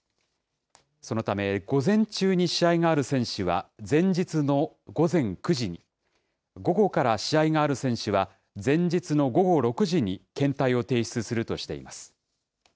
そのため、午前中に試合がある選手は、前日の午前９時に、午後から試合がある選手は、前日の午後６時に検体を提出するとしています。